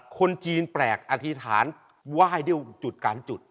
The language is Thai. คนจีนแปลกอธิษฐานไหว้ด้วยจุดการจุด